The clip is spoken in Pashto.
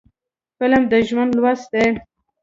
فلم د ژوند لوست دی